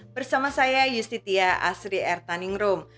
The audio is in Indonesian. bersama saya yustitia asri ertaningrum